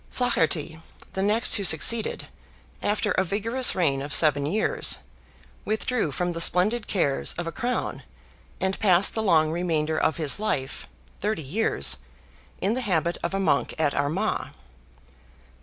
FLAHERTY, the next who succeeded, after a vigorous reign of seven years, withdrew from the splendid cares of a crown, and passed the long remainder of his life—thirty years—in the habit of a monk at Armagh.